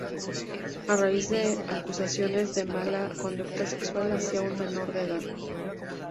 A raíz de acusaciones de mala conducta sexual hacia un menor de edad;.